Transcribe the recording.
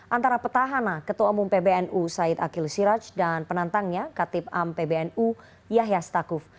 antara petahana ketua umum pbnu said akil siraj dan penantangnya katip am pbnu yahya stakuf